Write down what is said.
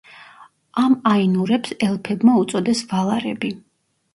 ამ აინურებს ელფებმა უწოდეს ვალარები.